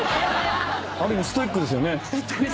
ある意味ストイックですよね。